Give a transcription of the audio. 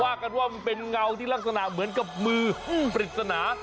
ว่ากันว่ามันเป็นเงาที่ลักษณะเหมือนกับมือปริศนา